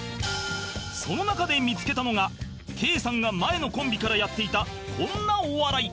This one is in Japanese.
その中で見付けたのがケイさんが前のコンビからやっていたこんなお笑い